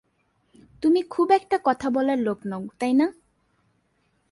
তুমি খুব একটা কথা বলার লোক নও, তাই না?